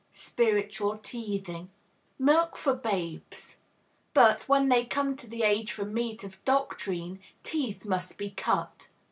Spiritual Teething Milk for babes; but, when they come to the age for meat of doctrine, teeth must be cut.